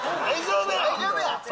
大丈夫や！